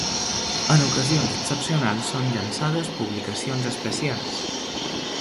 En ocasions excepcionals són llançades publicacions especials.